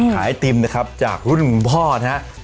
ขายอาติมนะครับจากรุ่นพ่อนะครับ